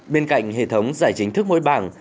bên cạnh hệ thống giải chính thức mỗi bảng